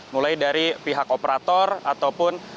mulai dari pihak operator ataupun